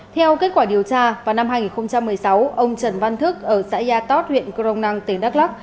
theo kết quả điều tra vào năm hai nghìn một mươi sáu ông trần văn thức ở xã yatot huyện crong năng tỉnh đắk lắc